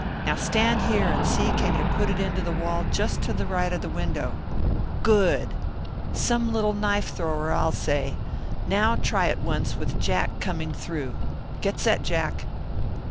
"Now stand here and see can you put it into the wall just to the right of the window. Good! Some little knife thrower, I'll say. Now try it once with Jack coming through. Get set, Jack."